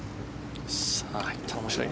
入ったら面白い。